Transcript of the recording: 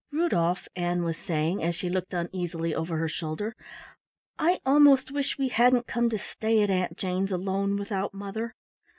"Rudolf," Ann was saying, as she looked uneasily over her shoulder, "I almost wish we hadn't come to stay at Aunt Jane's alone without mother.